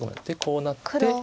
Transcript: こうなって。